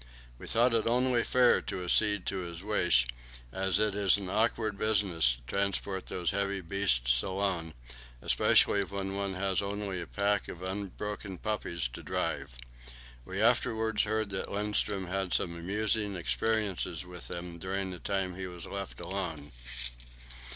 We thought it only fair to accede to his wish, as it is an awkward business to transport those heavy beasts alone, especially when one has only a pack of unbroken puppies to drive. We afterwards heard that Lindström had some amusing experiences with them during the time he was left alone.